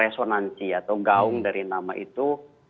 resonansi atau gaung dari nama itu